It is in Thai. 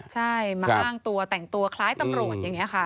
ใช่มาอ้างตัวแต่งตัวคล้ายตำรวจอย่างนี้ค่ะ